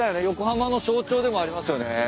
横浜の象徴でもありますよね。